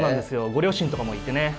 ご両親とかもいてね